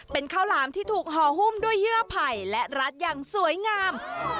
เป็นข้าวหลามที่ถูกห่อหุ้มด้วยเยื่อไผ่และรัดอย่างสวยงาม